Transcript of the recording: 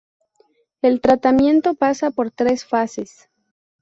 El tratamiento pasa por tres fases.